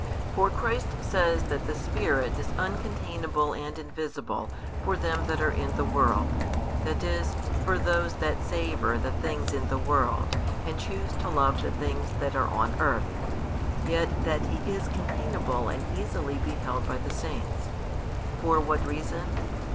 For Christ says that the Spirit is uncontainable and invisible for them that are in the world, that is, for those that savour of the things in the world, and choose to love the things that are on earth; yet that He is containable and easily beheld by the saints. For what reason?